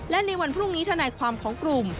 และในวันพรุ่งนี้ทนายความของกลุ่ม